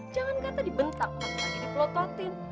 jangan kata dibentak tapi lagi dipelototin